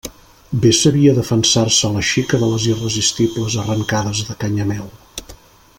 Bé sabia defensar-se la xica de les irresistibles arrancades de Canyamel!